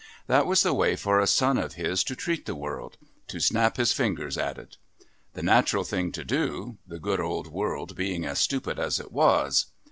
That was the way for a son of his to treat the world to snap his fingers at it! The natural thing to do, the good old world being as stupid as it was.